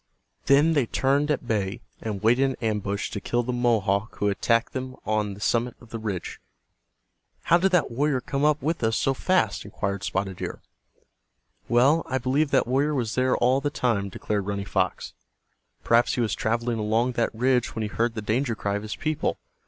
Then they turned at bay, and waited in ambush to kill the Mohawk who had attacked them on the summit of the ridge. "How did that warrior come up with us so fast?" inquired Spotted Deer, "Well, I believe that warrior was there all the time," declared Running Fox. "Perhaps he was traveling along that ridge when he heard the danger cry of his people.